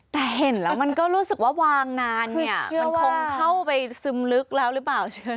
แต่เห็นแล้วมันก็รู้สึกว่าวางนานเนี่ยมันคงเข้าไปซึมลึกแล้วหรือเปล่าใช่ไหม